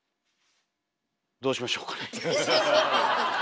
どうしましょうかね。